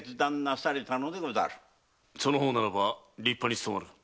その方ならば立派に務まる。